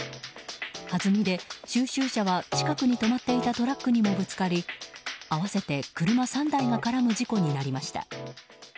はずみで、収集車は近くに止まっていたトラックにもぶつかり合わせて車３台が絡む事故になりました。